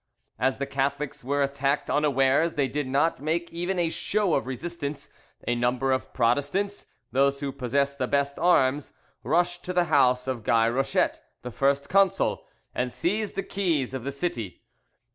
As the Catholics were attacked unawares, they did not make even a show of resistance: a number of Protestants—those who possessed the best arms—rushed to the house of Guy Rochette, the first consul, and seized the keys of the city.